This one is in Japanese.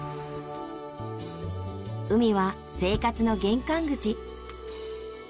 海は生活の玄関口。